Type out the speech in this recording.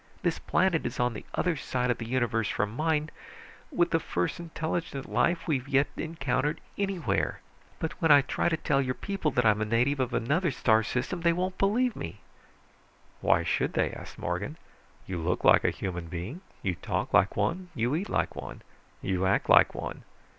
This planet is on the other side of the universe from mine, with the first intelligent life we've yet encountered anywhere. But when I try to tell your people that I'm a native of another star system, they won't believe me!" "Why should they?" asked Morgan. "You look like a human being. You talk like one. You eat like one. You act like one.